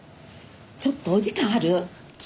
ちょっとお時間ある？